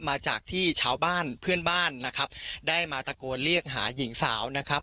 มาจากที่ชาวบ้านเพื่อนบ้านนะครับได้มาตะโกนเรียกหาหญิงสาวนะครับ